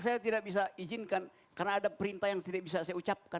saya tidak bisa izinkan karena ada perintah yang tidak bisa saya ucapkan